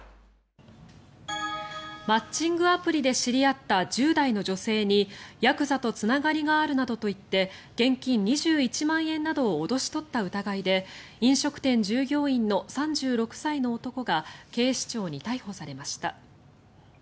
マッチングアプリで知り合った１０代の女性にヤクザとつながりがあるなどと言って現金２１万円などを脅し取った疑いで飲食店従業員の３６歳の男が警視庁に逮捕されました。